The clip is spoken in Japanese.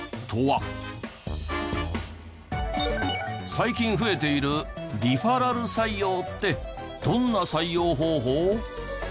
最近増えている「リファラル採用」ってどんな採用方法？